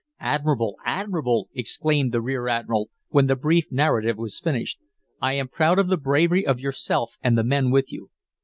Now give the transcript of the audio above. "Admirable! admirable!" exclaimed the rear admiral, when the brief narrative was finished. "I am proud of the bravery of yourself and the men with you."